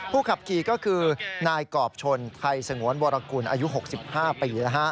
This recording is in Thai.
ขับขี่ก็คือนายกรอบชนไทยสงวนวรกุลอายุ๖๕ปี